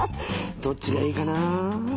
どっちがいいかなあ。